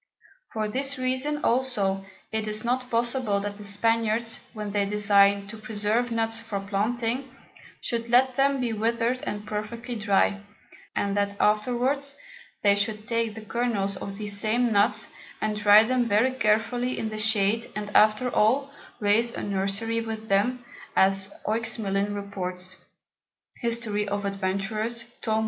For this reason also it is not possible that the Spaniards, when they design to preserve Nuts for planting, should let them be wither'd and perfectly dry, and that afterwards they should take the Kernels of these same Nuts, and dry them very carefully in the Shade, and after all, raise a Nursery with them, as Oexmelin reports, History of Adventurers, Tom.